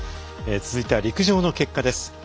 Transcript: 続いては陸上の結果です。